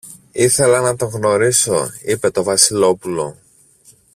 Ήθελα να τον γνωρίσω, είπε το Βασιλόπουλο.